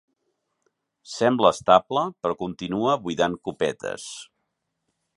Sembla estable, però continua buidant copetes.